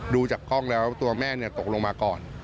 ดูจากกล้องแล้วตัวแม่ตกลงมาก่อน